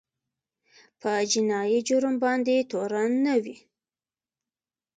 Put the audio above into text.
په جنایي جرم باید تورن نه وي.